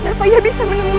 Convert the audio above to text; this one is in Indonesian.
kenapa ia bisa menembusku